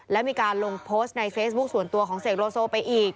และมีการลงโพสต์ในเฟซบุ๊คส่วนตัวของเสกโลโซไปอีก